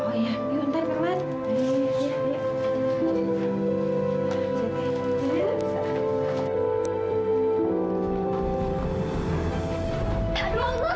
kalau veran menetap biasa lebih baik dengan kamu